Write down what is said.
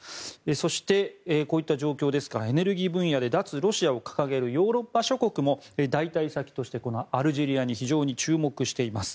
そして、こういった状況ですからエネルギー分野で脱ロシアを掲げるヨーロッパ諸国も代替先としてアルジェリアに非常に注目しています。